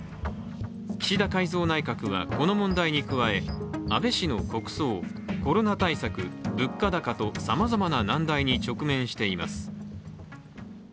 岸田改造内閣は、この問題に加え安倍氏の国葬、コロナ対策、物価高とさまざまな難題に直面しています。